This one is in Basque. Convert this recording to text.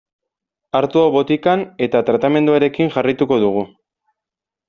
Hartu hau botikan eta tratamenduarekin jarraituko dugu.